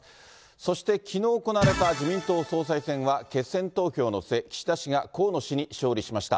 そして、きのう行われた自民党総裁選は決選投票の末、岸田氏が河野氏に勝利しました。